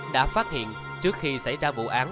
đã phát hiện trước khi xảy ra vụ án